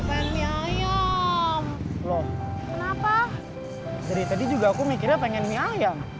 buur kacang hijau